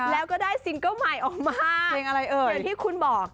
แล้วก็ได้ซิงเกิ้ลใหม่ออกมาอย่างที่คุณบอก